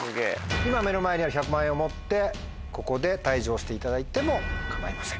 今目の前にある１００万円を持ってここで退場していただいても構いません。